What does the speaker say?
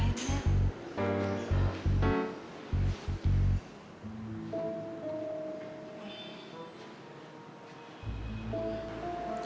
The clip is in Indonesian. ini lah airnya